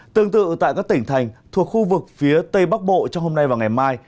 tương tự tại các tỉnh thành thuộc khu vực phía tây bắc bộ trong hôm nay và ngày mai